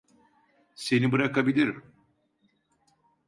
Seni bırakabilirim.